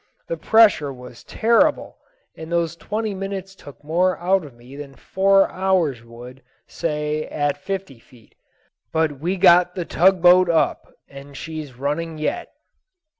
The pressure was terrible, and those twenty minutes took more out of me than four hours would, say, at fifty feet. But we got the tug boat up, and she's running yet."